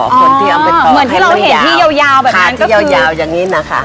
อ๋อเหมือนที่เราเห็นที่ยาวยาวแบบนั้นค่ะที่ยาวยาวอย่างนี้นะคะ